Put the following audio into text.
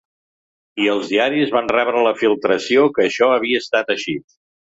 I els diaris van rebre la filtració que això havia estat així.